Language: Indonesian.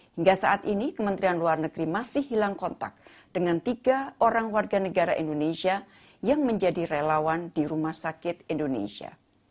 hingga saat ini kementerian luar negeri masih hilang kontak dengan tiga orang warga negara indonesia yang menjadi relawan di rumah sakit indonesia